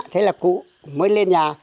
thế là cụ mới lên nhà